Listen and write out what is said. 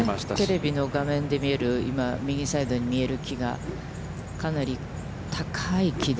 テレビの画面で見える、今、右サイドに見える木が、かなり高い木で。